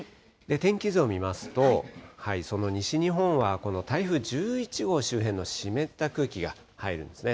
天気図を見ますと、その西日本は、この台風１１号周辺の湿った空気が入るんですね。